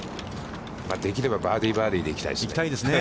できればバーディー、バーディーで行きたいですね。